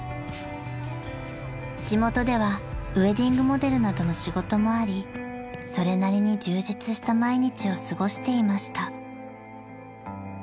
［地元ではウェディングモデルなどの仕事もありそれなりに充実した毎日を過ごしていました］